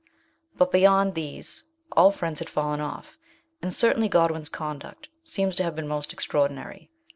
But beyond these all friends had fallen off, and certainly Godwin's conduct seems to have been most extraordinary.